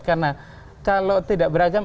karena kalau tidak beragam